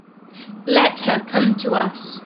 Let her come to us.